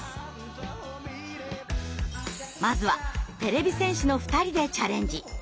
まずはてれび戦士の２人でチャレンジ。